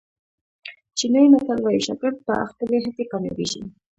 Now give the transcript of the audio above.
چینایي متل وایي شاګرد په خپلې هڅې کامیابېږي.